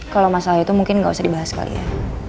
kalo masalah itu mungkin gak usah dibahas kali ya